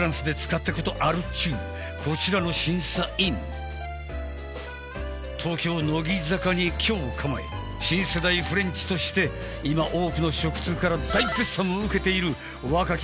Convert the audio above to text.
礇札轡椒鵝帖稘豕・乃木坂に居を構え新世代フレンチとして多くの食通から大絶賛を受けている磴璽